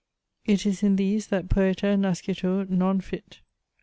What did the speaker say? It is in these that "poeta nascitur non fit."